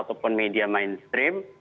ataupun media mainstream